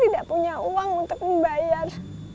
tidak punya uang untuk membayar